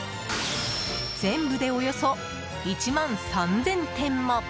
全部でおよそ１万３０００点も！